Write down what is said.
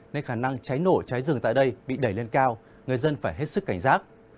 nên khả năng cháy nổ cháy rừng tại đây bị đẩy lên cao người dân phải hết sức cảnh giác